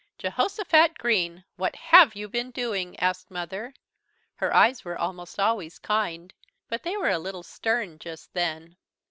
"Jehosophat Green, what have you been doing?" asked Mother. Her eyes were almost always kind but they were a little stern just then.